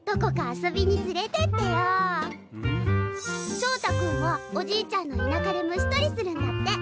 しょうた君はおじいちゃんの田舎で虫とりするんだって！